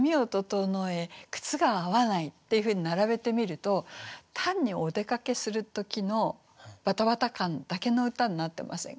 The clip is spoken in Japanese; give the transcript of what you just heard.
「靴が合わない」っていうふうに並べてみると単にお出かけする時のバタバタ感だけの歌になってませんか？